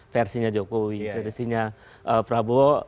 versinya jokowi versinya prabowo